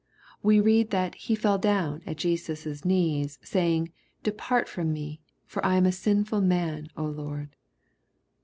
We read that " he feU down at Jesus' knees, saying, depart from me ; for I am a sinful man, Lord.''